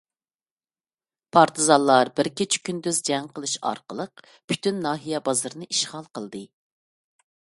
پارتىزانلار بىر كېچە-كۈندۈز جەڭ قىلىش ئارقىلىق، پۈتۈن ناھىيە بازىرىنى ئىشغال قىلدى.